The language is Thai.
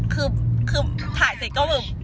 คือถ่ายเสร็จก็แบบ